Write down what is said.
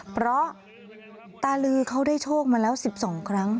เพราะตาลือเขาได้โชคมาแล้ว๑๒ครั้ง